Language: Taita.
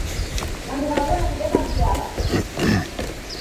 W'andu wazoya kudeka mswara.